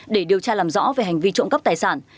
để điều tra làm rõ về hành vi trộm cắp tài sản